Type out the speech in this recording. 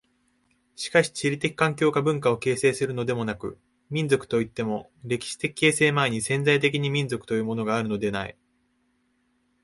しかし地理的環境が文化を形成するのでもなく、民族といっても歴史的形成前に潜在的に民族というものがあるのではない。